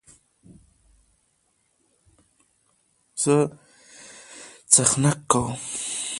زه څخنک کوم.